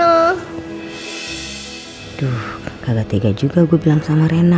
aduh kagak tega juga gue bilang sama rena